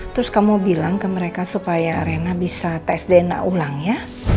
terus kamu bilang ke mereka supaya arena bisa tes dna ulang ya